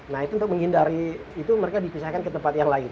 nah itu untuk menghindari itu mereka dipisahkan ke tempat yang lain